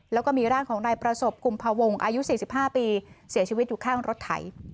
แล้วก็มีร่างของนายประสบกุมภาวงอายุ๔๕ปีเสียชีวิตอยู่ข้างรถไถ